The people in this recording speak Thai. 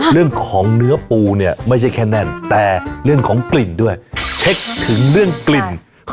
เรื่องของเนื้อปูเนี่ยไม่ใช่แค่แน่นแต่เรื่องของกลิ่นด้วยเช็คถึงเรื่องกลิ่น